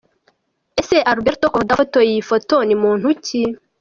Ese Alberto Korda wafotoye iyi foto ni muntu ki?.